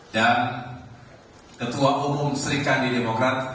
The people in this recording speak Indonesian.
dan ketua umum serikandi demokrat